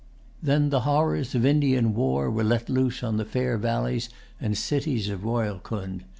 Then the horrors of Indian war were let loose on the fair valleys and cities of Rohilcund.